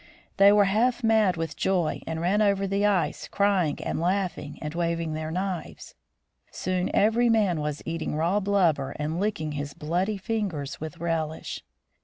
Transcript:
They were half mad with joy, and ran over the ice, crying and laugh ing, and waving their knives. Soon every man was eating raw blubber and licking his bloody fingers with relish.